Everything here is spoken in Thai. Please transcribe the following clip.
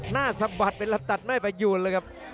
หน้าสะบัดเป็นลับตัดไม่ประหยุดเลยครับ